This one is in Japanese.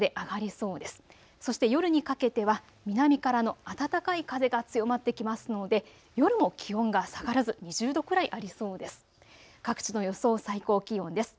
そして夜にかけては南からの暖かい風が強まってきますので夜も気温が下がらず２０度くらいありそうです。